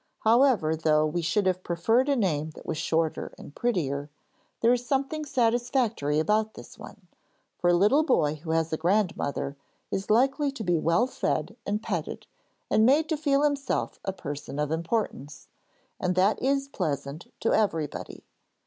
However, though we should have preferred a name that was shorter and prettier, there is something satisfactory about this one, for a little boy who has a grandmother is likely to be well fed and petted, and made to feel himself a person of importance, and that is pleasant to everybody.